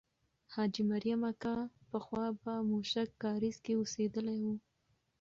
حاجي مریم اکا پخوا په موشک کارېز کې اوسېدلې وه.